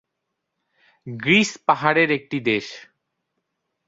Greece পাহাড়ের একটি দেশ।